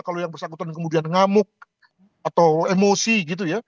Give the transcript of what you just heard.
kalau yang bersangkutan kemudian ngamuk atau emosi